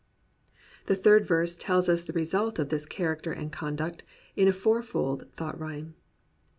The third verse tells us the result of this character and conduct, in a fourfold thought rhyme.